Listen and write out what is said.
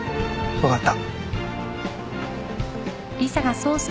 よかった。